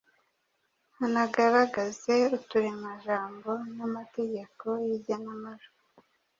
anagaragaze uturemajambo n’amategeko y’igenamajwi.